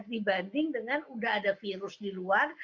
dibanding dengan udah ada virus di luar